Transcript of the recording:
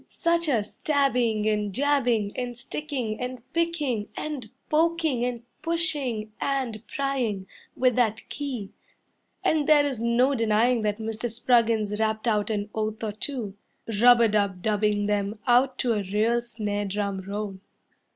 Such a stabbing, and jabbing, And sticking, and picking, And poking, and pushing, and prying With that key; And there is no denying that Mr. Spruggins rapped out an oath or two, Rub a dub dubbing them out to a real snare drum roll.